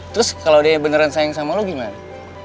terus kalau dia beneran sayang sama lo gimana